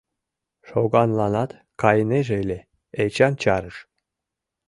Шоганланат кайынеже ыле, Эчан чарыш.